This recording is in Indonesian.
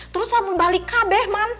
terus selama balik kabeh man